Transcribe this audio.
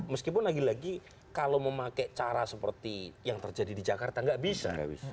meskipun lagi lagi kalau memakai cara seperti yang terjadi di jakarta nggak bisa